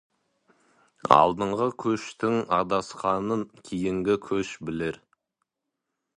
Алдыңғы көштің адасқанын кейінгі көш білер.